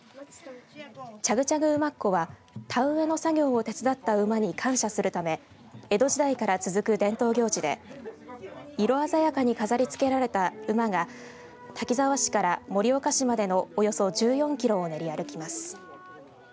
チャグチャグ馬コは田植えの作業を手伝った馬に感謝するため江戸時代から続く伝統行事で色鮮やかに飾りつけられた馬が滝沢市から盛岡市までのおよそ１４キロを練り歩きます。